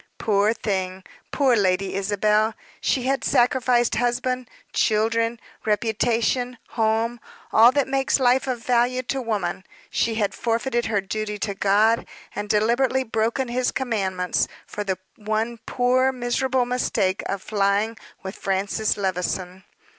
Poor thing poor Lady Isabel! She had sacrificed husband, children, reputation, home, all that makes life of value to woman. She had forfeited her duty to God, had deliberately broken his commandments, for the one poor miserable mistake of flying with Francis Levison.